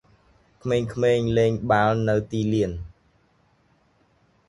ក្មេងៗលេងបាល់នៅទីលាន។